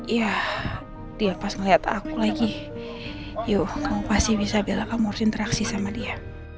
ya dia pas ngeliat aku lagi yuk kamu pasti bisa bela kamu harus interaksi sama dia